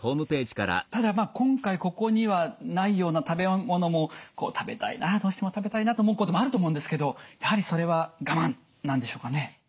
ただ今回ここにはないような食べ物も食べたいなどうしても食べたいなと思うこともあると思うんですけどやはりそれは我慢なんでしょうかね？